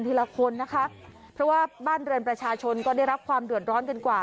ละคนนะคะเพราะว่าบ้านเรือนประชาชนก็ได้รับความเดือดร้อนกันกว่า